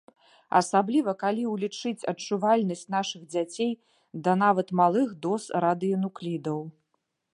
Асабліва, калі ўлічыць адчувальнасць нашых дзяцей да нават малых доз радыенуклідаў.